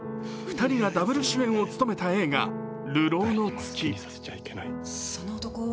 ２人がダブル主演を務めた映画「流浪の月」。